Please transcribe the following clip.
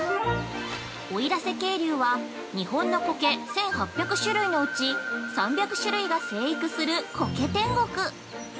◆奥入瀬渓流は、日本のコケ１８００種類のうち３００種類が生育する、コケ天国。